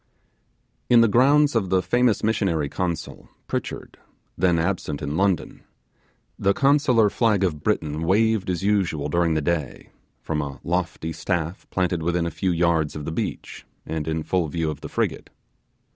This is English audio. In the grounds of the famous missionary consul, Pritchard, then absent in London, the consular flag of Britain waved as usual during the day, from a lofty staff planted within a few yards of the beach, and in full view of the frigate.